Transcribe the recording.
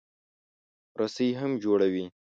رسۍ هم جوړوي.